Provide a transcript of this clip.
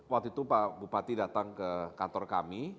waktu itu pak bupati datang ke kantor kami